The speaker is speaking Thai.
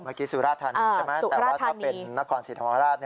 เมื่อกี้สุราธานีใช่ไหมแต่ว่าถ้าเป็นนกรสีธรรมราช